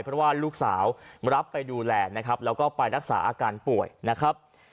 เพราะว่าลูกสาวรับไปดูแลนะครับแล้วก็ไปรักษาอาการป่วยนะครับ